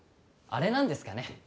あれなんですかね？